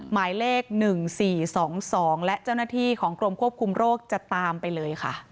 หมายเลข๑๔๒๒และเจ้าหน้าที่ของกรมควบคุมโรคจะตามไปเลยค่ะ